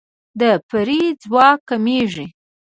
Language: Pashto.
د پیر ځواک کمیږي.